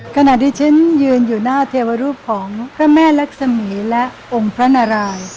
ขณะที่ฉันยืนอยู่หน้าเทวรูปของพระแม่รักษมีและองค์พระนาราย